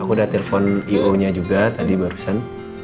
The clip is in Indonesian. aku udah telepon i o nya juga tadi barusan